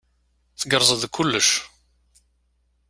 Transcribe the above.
Tgerrzeḍ deg kullec.